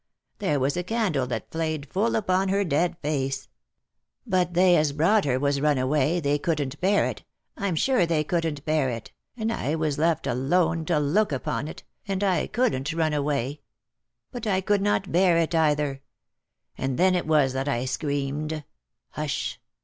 There was a candle that flaed full upon her dead face ; but they as brought her was run away — they couldn't bear it, I'm sure they couldn't bear it, and I was left alone to look upon it, and I couldn't run away ; but I could not bear it either ! and then it was that I screamed— hush